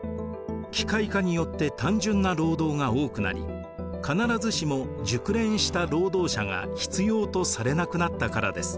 機械化によって単純な労働が多くなり必ずしも熟練した労働者が必要とされなくなったからです。